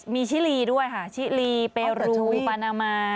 มีชิลีด้วยค่ะชิลีเปรูปานามา